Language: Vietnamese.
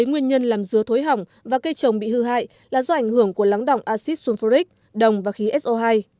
giữa thối hỏng và cây trồng bị hư hại là do ảnh hưởng của lắng động acid sulfuric đồng và khí so hai